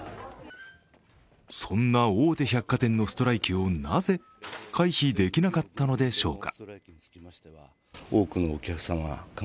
そんな大手百貨店のストライキをなぜ回避できなかったのでしょうか。